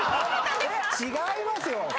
違いますよ！